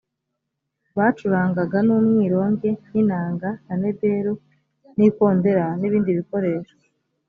bacurangaga n’umwironge n’inanga na nebelu n’ikondera n’ibindi bikoresho